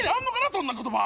そんな言葉